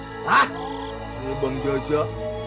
istrinya bang jajah